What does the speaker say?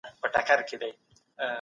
پخوانیو میتودونو لږه ګټه درلوده.